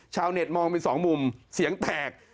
ชาวเน็ตมองเป็นสองมุมเสียงแตก